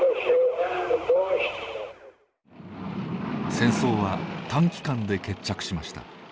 戦争は短期間で決着しました。